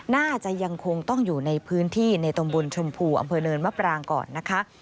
น่าจะยังคงต้องอยู่ในพื้นที่ในตำบลชมพูอำเภอเนินมะปรางก่อนนะคะ